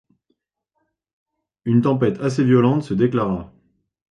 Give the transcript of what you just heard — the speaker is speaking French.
Une tempête assez violente se déclara.